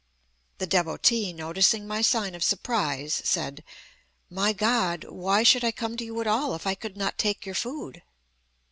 The Devotee, noticing my sign of surprise, said: "My God, why should I come to you at all, if I could not take your food?"